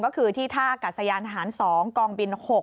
ก็คือที่ท่ากัสยานทหาร๒กองบิน๖